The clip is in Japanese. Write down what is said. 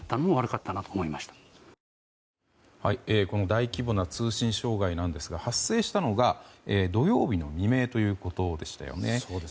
大規模な通信障害なんですが発生したのが土曜日の未明ということでしたよね。